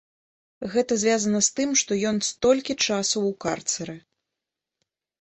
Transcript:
Гэта звязана з тым, што ён столькі часу ў карцэры.